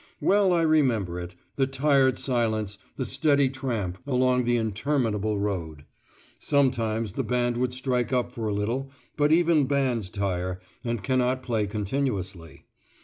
Well I remember it the tired silence, the steady tramp, along the interminable road. Sometimes the band would strike up for a little, but even bands tire, and cannot play continuously.